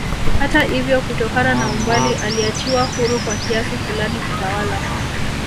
Hata ivyo kutokana na umbali aliachiwa huru kwa kiasi fulani kutawala